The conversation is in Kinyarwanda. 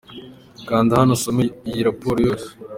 Kanda hano usome iyi raporo yose.